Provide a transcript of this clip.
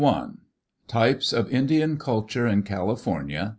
3 TYPES OF INDIAN CULTUEE IN CALIFORNIA.